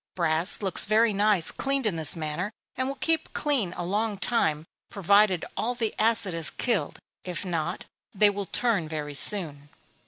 Brass looks very nice cleaned in this manner, and will keep clean a long time, provided all the acid is killed if not, they will turn very soon.